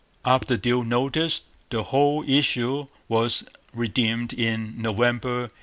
After due notice the whole issue was redeemed in November 1816.